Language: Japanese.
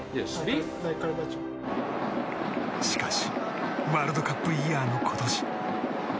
しかしワールドカップイヤーの今年。